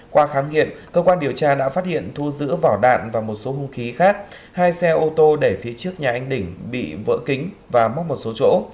qua khám nghiệm cơ quan điều tra đã phát hiện thu giữ vỏ đạn và một số hung khí khác hai xe ô tô để phía trước nhà anh đỉnh bị vỡ kính và móc một số chỗ